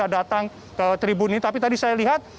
datang ke tribun ini tapi tadi saya lihat